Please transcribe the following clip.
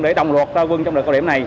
để đồng loạt ra quân trong đợt cao điểm này